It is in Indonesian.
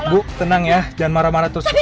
bu tenang ya jangan marah marah terus bu